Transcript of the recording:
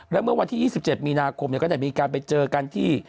และเมื่อวันที่๒๗มีนาคมก็ได้มีการไปเจอกันที่